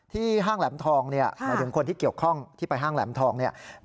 ที่ห้างแหลมทองหมายถึงคนที่เกี่ยวข้องที่ไปห้างแหลมทอง